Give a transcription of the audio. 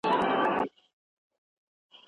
هغه خبره مې اوس هېره ده